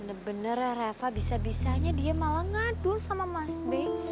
bener bener reva bisa bisanya dia malah ngadul sama mas be